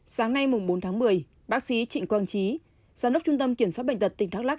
sáng nay bốn tháng một mươi bác sĩ trịnh quang trí giám đốc trung tâm kiểm soát bệnh tật tỉnh đắk lắc